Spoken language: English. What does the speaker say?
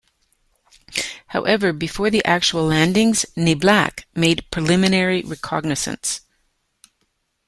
However, before the actual landings, "Niblack" made preliminary reconnaissance.